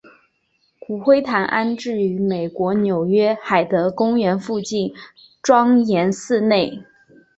骨灰坛安置于美国纽约海德公园附近庄严寺内。